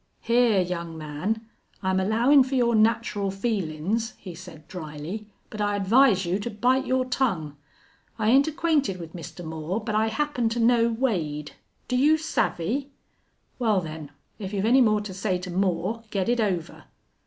"Hyar, young man, I'm allowin' for your natural feelin's," he said, dryly, "but I advise you to bite your tongue. I ain't acquainted with Mister Moore, but I happen to know Wade. Do you savvy?... Wal, then, if you've any more to say to Moore get it over."